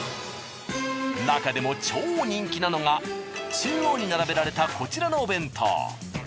なかでも超人気なのが中央に並べられたこちらのお弁当。